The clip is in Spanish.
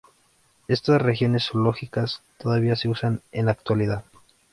Estas regiones zoológicas todavía se usan en la actualidad.